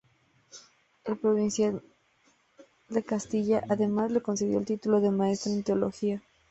El provincial de Castilla, además, le concedió el título de maestro en Teología.